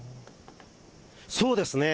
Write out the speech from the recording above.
そうですね。